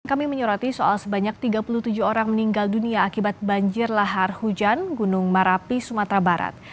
kami menyoroti soal sebanyak tiga puluh tujuh orang meninggal dunia akibat banjir lahar hujan gunung merapi sumatera barat